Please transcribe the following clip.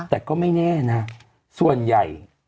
แต่ก็ไม่แน่นะส่วนใหญ่